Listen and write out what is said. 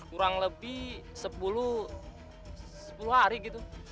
kurang lebih sepuluh hari gitu